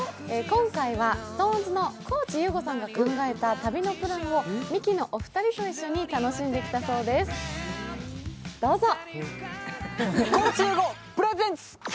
今回はＳｉｘＴＯＮＥＳの高地優吾さんが考えた旅のプランをミキのお二人と一緒に楽しんできたそうです、どうぞ。